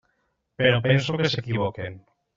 Però penso que s'equivoquen.